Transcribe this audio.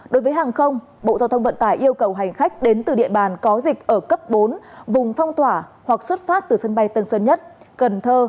đối với hàng không bộ giao thông vận tải yêu cầu hành khách đến từ địa bàn có dịch ở cấp bốn vùng phong tỏa hoặc xuất phát từ sân bay tân sơn nhất cần thơ